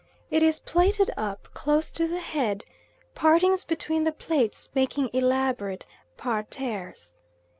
It is plaited up, close to the head, partings between the plaits making elaborate parterres.